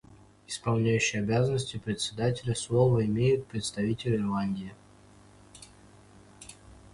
Исполняющий обязанности Председателя: Слово имеет представитель Ирландии.